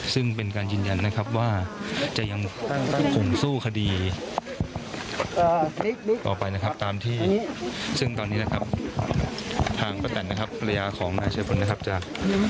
ซึ่งเป็นการยืนยันนะครับว่าจะยังคงสู้คดีต่อไปนะครับตามที่ซึ่งตอนนี้นะครับทางป้าแตนนะครับภรรยาของนายชายพลนะครับจะ